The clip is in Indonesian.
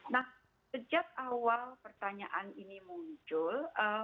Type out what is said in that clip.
nah sejak awal pertanyaan ini muncul